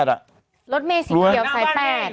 รถเมสีเขียวสาย๘